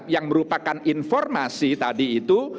yang merupakan informasi tadi itu